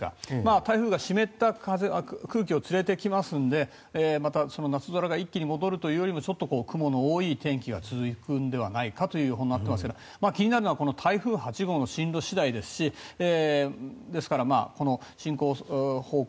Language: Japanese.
台風が湿った空気を連れてきますので、夏空が一気に戻るというよりも雲の多い天気が続くんではないかという予報になっていますが気になるのは台風８号の進路次第ですしですから、進行方向